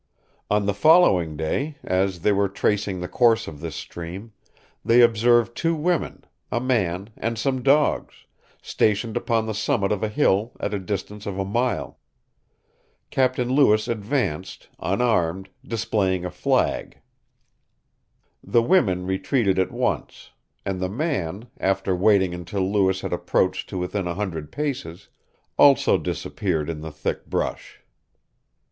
On the following day, as they were tracing the course of this stream, they observed two women, a man, and some dogs, stationed upon the summit of a hill at the distance of a mile. Captain Lewis advanced, unarmed, displaying a flag. The women retreated at once; and the man, after waiting until Lewis had approached to within a hundred paces, also disappeared in the thick brush.